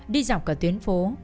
đi dọc cả tuyến phố